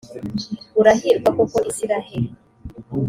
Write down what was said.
urahirwa koko israheli!